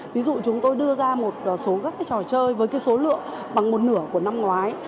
ví dụ chúng tôi đưa ra một số các trò chơi với số lượng bằng một nửa của năm ngoái